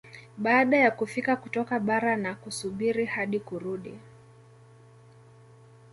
Baada ya kufika kutoka bara na kusubiri hadi kurudi